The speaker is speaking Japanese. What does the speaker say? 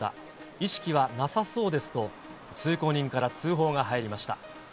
意識はなさそうですと、通行人から通報が入りました。